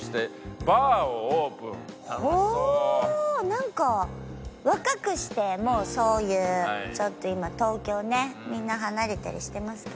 なんか若くしてもうそういうちょっと今東京ねみんな離れたりしてますけど。